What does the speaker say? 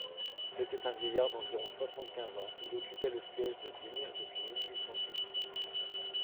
C'était un vieillard d'environ soixante-quinze ans, il occupait le siège de Digne depuis mille huit cent six.